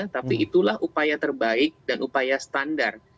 tapi itulah upaya terbaik dan upaya standar